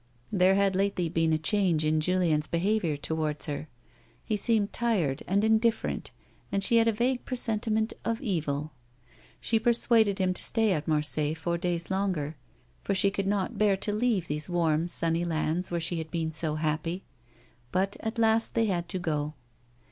There had lately been a change in Julien's be haviour towards her, he seemed tired, and indifferent, and she had a vague presentiment of evil. She persuaded him to stay at ^Marseilles four days longer, for she could not bear to leave these warm, sunny lands where she had been so happy, but at last the}' had to go.